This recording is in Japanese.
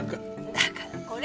だからこれは。